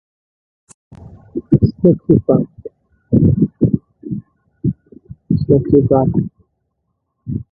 the Army offers a competitive choice to similar civilian careers.